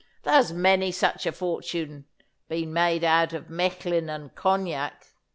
There's many such a fortune been made out of Mechlin and Cognac.